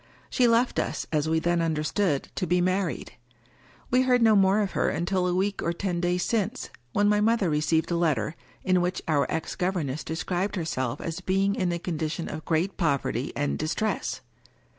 She left us, as we then understood, to be married. We heard no more of her until a week or ten days since, when my mother received a letter, in which our ex gov erness described herself as being in a condition of great poverty and distress.